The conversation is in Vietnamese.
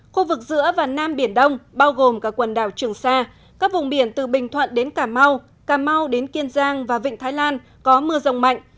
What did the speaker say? khu vực giữa và nam biển đông bao gồm cả quần đảo trường sa các vùng biển từ bình thuận đến cà mau cà mau đến kiên giang và vịnh thái lan có mưa rông mạnh